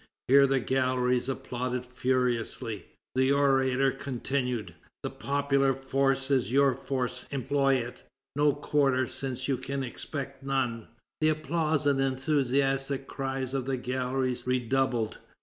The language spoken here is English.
Here the galleries applauded furiously. The orator continued: "The popular force is your force; employ it. No quarter, since you can expect none." The applause and enthusiastic cries of the galleries redoubled.